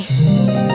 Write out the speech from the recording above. terima kasih banyak